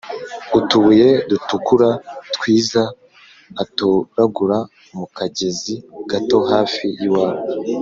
utubuye dutukura twiza atoragura mu kagezi gato hafi y’iwabo